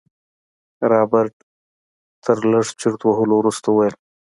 رابرټ تر لږ چورت وهلو وروسته وويل.